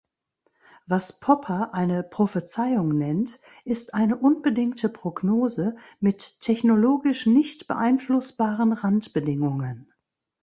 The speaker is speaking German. Was Popper eine "Prophezeiung" nennt, ist eine unbedingte Prognose mit technologisch nicht beeinflussbaren Randbedingungen.